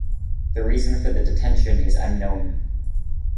The reason for the detention is unknown.